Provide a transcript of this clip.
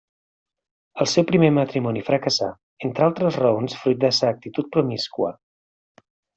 El seu primer matrimoni fracassà, entre altres raons fruit de sa actitud promiscua.